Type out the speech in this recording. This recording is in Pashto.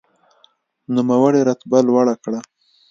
نوموړي رتبه لوړه کړه.